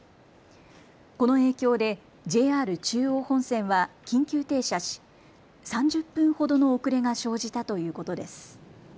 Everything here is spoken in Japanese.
この影響でＪＲ中央本線は緊急停車し３０分ほどの遅れが生じたということです。